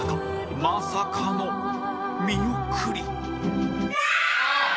まさかの見送り